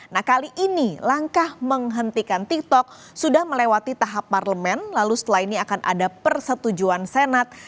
nah kali ini langkah menghentikan tiktok sudah melewati tahap parlemen lalu setelah ini akan ada persetujuan senat